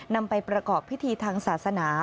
นำไปประกอบพิธีทางศาสนา